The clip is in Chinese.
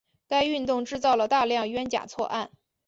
该运动制造了大量冤假错案。